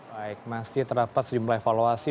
baik masih terdapat sejumlah evaluasi